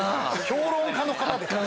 評論家の方ですか？